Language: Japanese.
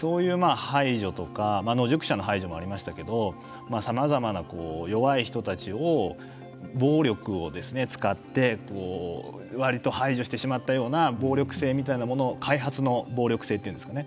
そういう排除とか野宿者の排除もありましたけどさまざまな弱い人たちを暴力を使って割と排除してしまったような開発の暴力性っていうんですかね。